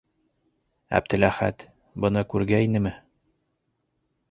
Әптеләхәт... быны күргәйнеме?